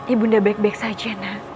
ibu nda baik baik saja nak